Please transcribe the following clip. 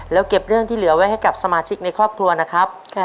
แล้วเก็บเรื่องที่เหลือไว้ให้กับสมาชิกในครอบครัวนะครับ